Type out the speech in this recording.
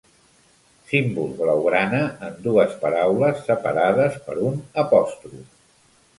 Símbol blaugrana, en dues paraules separades per un apòstrof.